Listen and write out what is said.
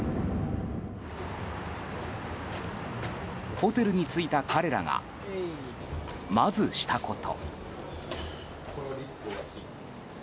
ホテルに着いた彼らがまずしたこと。